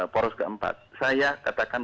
poros keempat saya katakan